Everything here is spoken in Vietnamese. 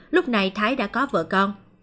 lúc này thái đã có vợ con